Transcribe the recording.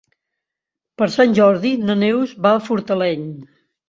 Per Sant Jordi na Neus va a Fortaleny.